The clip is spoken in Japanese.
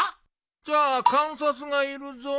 じゃあ鑑札がいるぞ。